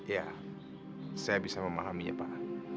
ya saya bisa memahaminya pak